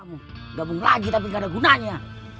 kamu gabung lagi tapi gak ada gunanya